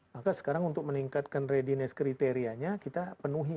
maka sekarang untuk meningkatkan readiness kriterianya kita penuhi